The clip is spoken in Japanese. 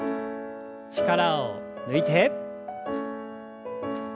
力を抜いて。